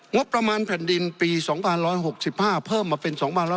งบประมาณแผ่นดินปี๒๑๖๕เพิ่มมาเป็น๒๖๐